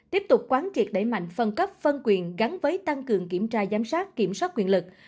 tiếp tục quán triệt đẩy mạnh phân cấp phân quyền gắn với tăng cường kiểm tra giám sát kiểm soát quyền lực